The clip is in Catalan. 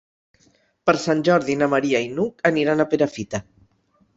Per Sant Jordi na Maria i n'Hug aniran a Perafita.